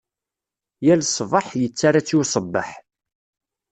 Yal ṣṣbeḥ, yettarra-tt i usebbeḥ.